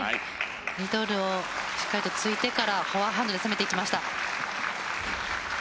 ミドルをしっかり突いてからフォアハンドで攻めていきました。